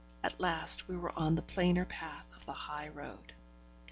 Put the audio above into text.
At last, we were on the plainer path of the high road.